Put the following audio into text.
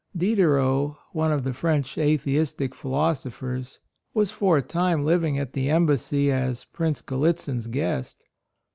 Diderot, one of the French atheistic philosophers, was for a time living at the embassy as Prince Gallitzin's guest.